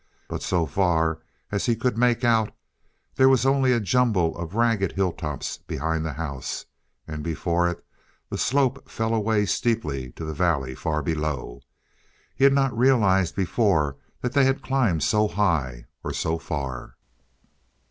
But so far as he could make out, there was only a jumble of ragged hilltops behind the house, and before it the slope fell away steeply to the valley far below. He had not realized before that they had climbed so high or so far.